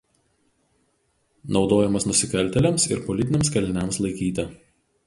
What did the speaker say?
Naudojamas nusikaltėliams ir politiniams kaliniams laikyti.